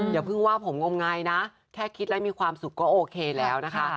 อย่าเพิ่งว่าผมงมงายนะแค่คิดแล้วมีความสุขก็โอเคแล้วนะคะ